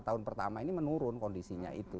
dia lima tahun pertama ini menurun kondisinya itu